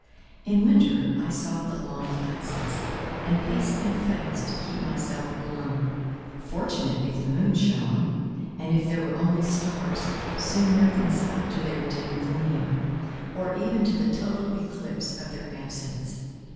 In winter I sought the long classes, and paced them fast to keep myself warm—fortunate if the moon shone, and if there were only stars, soon reconciled to their dim gleam, or even to the total eclipse of their absence.